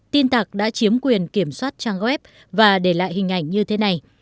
tin tạc đã chiếm quyền kiểm soát trang web và để lại hình ảnh như thế này